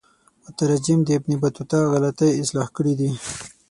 مترجم د ابن بطوطه غلطی اصلاح کړي دي.